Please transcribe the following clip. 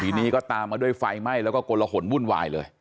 ทีนี้ก็ตามมาด้วยไฟไหม้แล้วก็กลหนวุ่นวายเลย